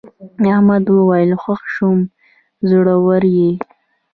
احمد وویل خوښ شوم زړور یې.